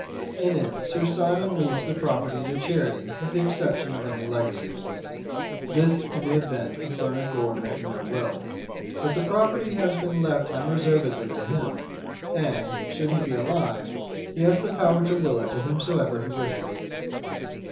"In it Sir Simon leaves the property to charity with the exception of any legacies. This in the event of Bernard Gore making no will. But the property has been left unreservedly to him, and, should he be alive, he has the power to will it to whomsoever he wishes."